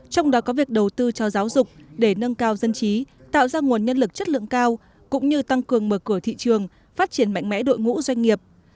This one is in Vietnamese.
trong đó có việc đầu tư cho giáo dục để nâng cao dân trí tạo ra nguồn nhân lực chất lượng cao cũng như tăng cường mở cửa thị trường phát triển mạnh mẽ đội ngũ doanh nghiệp